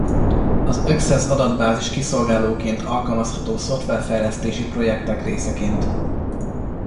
Az Access adatbázis-kiszolgálóként alkalmazható szoftverfejlesztési projektek részeként.